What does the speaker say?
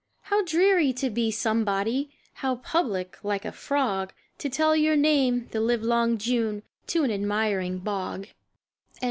How dreary to be somebody! How public, like a frog To tell your name the livelong day To an admiring bog!